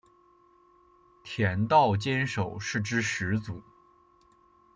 田道间守是之始祖。